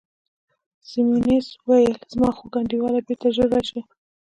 سیمونز وویل: زما خوږ انډیواله، بیرته ژر راشه.